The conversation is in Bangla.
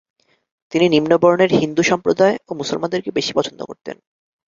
তিনি নিম্নবর্ণের হিন্দু সম্প্রদায় ও মুসলমানদেরকে বেশি পছন্দ করতেন।